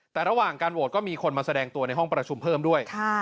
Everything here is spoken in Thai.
แต่ระหว่างการโหวตก็มีคนมาแสดงตัวในห้องประชุมเพิ่มด้วย